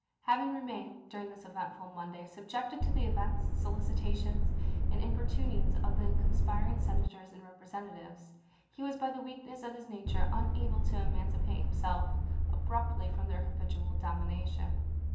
Having re mained, during this eventful Monday, subjected to the visits, solicitations, and importunings of the conspiring Senators and Kepresentatives, he was by the weakness of his nature unable to emancipate himself abruptly from their habitual domination.